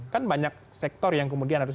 kan banyak sektor yang kemudian harus